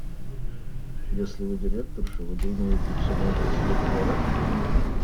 Если Вы директорша, Вы думаете, все можете себе позволять?